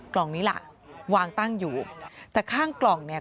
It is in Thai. กล่องนี้ล่ะวางตั้งอยู่แต่ข้างกล่องเนี่ย